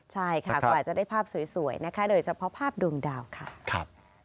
ใช่ค่ะกว่าจะได้ภาพสวยนะคะโดยเฉพาะภาพดวงดาวค่ะ